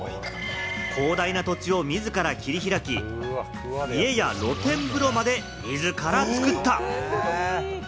広大な土地を自ら切り開き、家や露天風呂まで自ら作った。